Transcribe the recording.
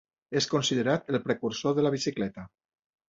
És considerat el precursor de la bicicleta.